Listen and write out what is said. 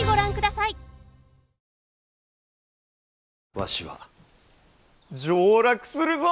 わしは上洛するぞ！